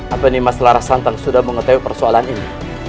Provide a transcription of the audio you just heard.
apa nimas larasantang sudah mengetahui persoalan ini